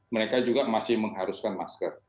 mereka juga masih mengharuskan masker